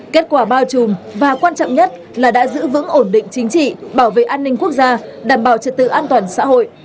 kết quả bao trùm và quan trọng nhất là đã giữ vững ổn định chính trị bảo vệ an ninh quốc gia đảm bảo trật tự an toàn xã hội